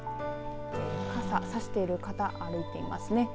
傘、さしている方歩いていますね。